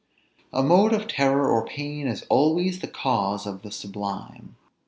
A mode of terror or pain is always the cause of the sublime.